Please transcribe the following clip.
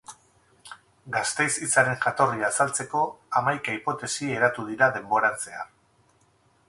Gasteiz hitzaren jatorria azaltzeko hamaika hipotesi eratu dira denboran zehar.